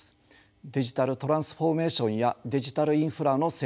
デジタルトランスフォーメーションやデジタルインフラの整備